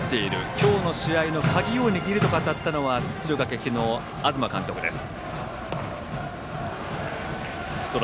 今日の試合の鍵を握ると語ったのは敦賀気比の東監督です。